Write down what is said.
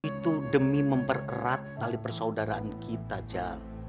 itu demi mempererat tali persaudaraan kita aja